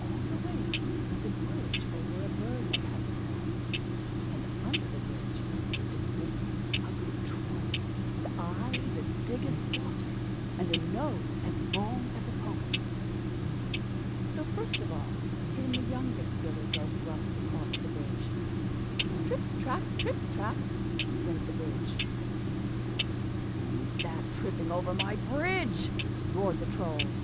On the way up was a bridge over a burn they had to cross; and under the bridge lived a great ugly Troll, with eyes as big as saucers, and a nose as long as a poker. So first of all came the youngest billy goat Gruff to cross the bridge. "Trip, trap! trip, trap!" went the bridge. "Who's that tripping over my bridge?" roared the Troll.